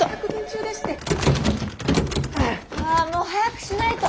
あもう早くしないと。